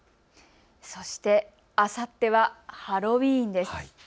そして、あさってはハロウィーンです。